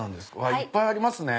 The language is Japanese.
いっぱいありますね。